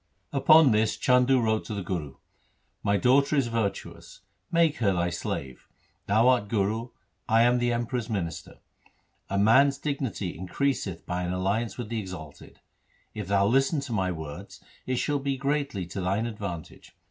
Upon this Chandu wrote to the Guru, ' My daughter is virtuous. Make her thy slave. Thou art Guru, I am the Emperor's minister. A man's dignity increaseth by an alliance with the exalted. If thou listen to my words, it shall be greatly to thine advantage.